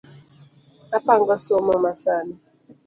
Apango somo masani